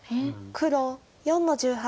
黒４の十八。